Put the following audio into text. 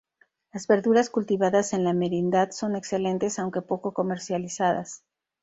Las verduras cultivadas en la merindad son excelentes aunque poco comercializadas.